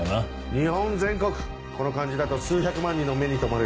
日本全国この感じだと数百万人の目に留まる。